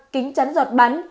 kính chắn giọt bắn